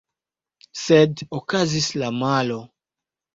Sed okazis la malo.